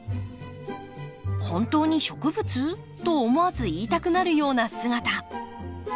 「本当に植物？」と思わず言いたくなるような姿。